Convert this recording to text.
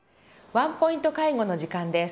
「ワンポイント介護」の時間です。